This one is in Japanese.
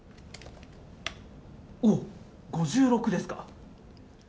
おお、５６ですか。